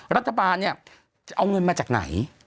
รัฐบาลเนี่ยจะเอาเงินมาจากไหน